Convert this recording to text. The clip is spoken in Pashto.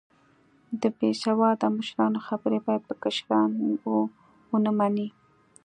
د بیسیواده مشرانو خبرې باید کشران و نه منې